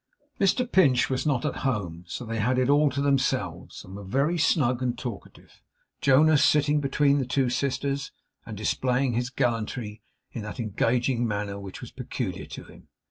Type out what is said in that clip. Mr Pinch was not at home, so they had it all to themselves, and were very snug and talkative, Jonas sitting between the two sisters, and displaying his gallantry in that engaging manner which was peculiar to him.